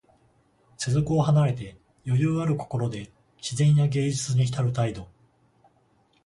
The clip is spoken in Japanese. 世俗を離れて、余裕ある心で自然や芸術にひたる態度。